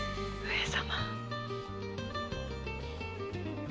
上様。